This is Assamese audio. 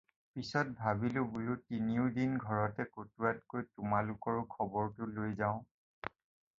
পিচত ভাবিলোঁ বোলো তিনিও দিন ঘৰতে কটোৱাতকৈ তোমালোকৰো খবৰটো লৈ যাওঁ।